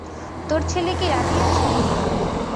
তোর ছেলে কি রাজি আছে?